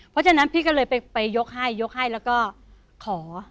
เพราะฉะนั้นพี่ก็เลยไปยกให้ยกให้แล้วก็ขอ